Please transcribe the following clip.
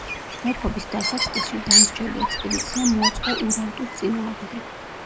მეფობის დასაწყისში დამსჯელი ექსპედიცია მოაწყო ურარტუს წინააღმდეგ.